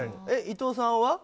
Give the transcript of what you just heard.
伊藤さんは？